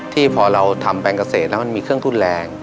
ที่พอเราทำแปลงเกษตรแล้วมันมีเครื่องทุนแรง